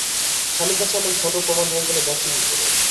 স্বামীর কাছে এমন ছোটো প্রমাণ হয়ে গেলে বাঁচি কী করে?